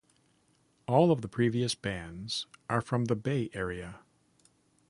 All of the previous bands are from the Bay Area.